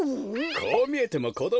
こうみえてもこどものころ